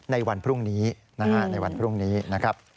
ในวันพรุ่งนี้นะครับ